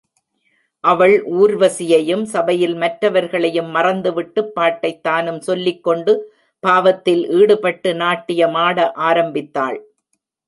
அவள் ஊர்வசியையும் சபையில் மற்றவர்களையும் மறந்துவிட்டுப் பாட்டைத் தானும் சொல்லிக்கொண்டு, பாவத்தில் ஈடுபட்டு நாட்டியும் ஆட ஆரம்பித்தாள்.